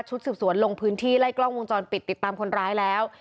สืบสวนลงพื้นที่ไล่กล้องวงจรปิดติดตามคนร้ายแล้ว